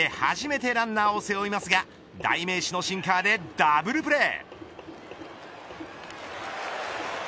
フォアボールで初めてランナーを背負いますが代名詞のシンカーでダブルプレー。